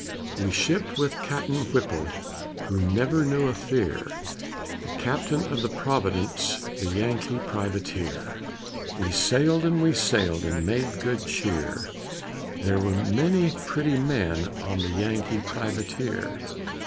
We shipped with Cap'n Whipple Who never knew a fear, The Captain of the Providence, The Yankee Privateer. We sailed and we sailed And made good cheer, There were many pretty men On the Yankee Privateer.